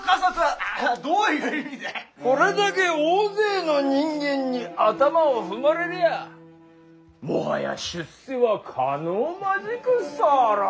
これだけ大勢の人間に頭を踏まれりゃあもはや出世はかのうまじく候。